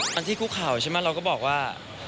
ที่คุกข่าวใช่ไหมเราก็บอกว่า